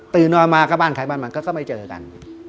ตื่อนอนมาก็บ้านขายบ้านมาก็ไม่เจอกัน